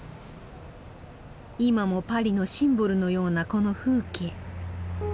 今もパリのシンボルのようなこの風景。